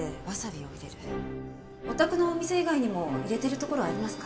お宅のお店以外にも入れてるところはありますか？